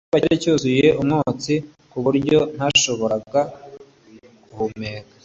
icyumba cyari cyuzuye umwotsi ku buryo ntashobora guhumeka